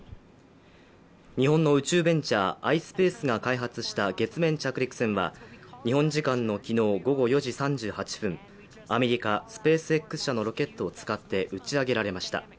日本の宇宙ベンチャーｉｓｐａｃｅが開発した月面着陸船は日本時間の昨日午後４時３８分、アメリカ・スペースＸ社のロケットを使って打ち上げられました。